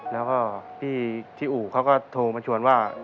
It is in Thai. แล้วก็พี่ที่อู่เขาก็โทรมาชวนว่า